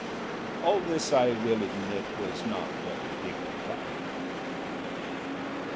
All this, I will admit, was not very dignified.